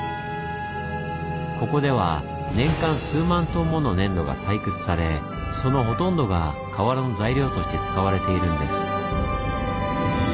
ここでは年間数万トンもの粘土が採掘されそのほとんどが瓦の材料として使われているんです。